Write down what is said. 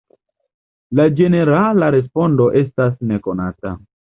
La ĝenerala respondo estas nekonata.